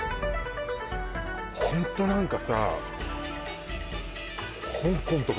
ホント何かさ